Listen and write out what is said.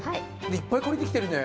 いっぱい借りてきてるね。